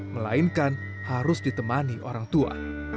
melainkan harus ditemani orang tua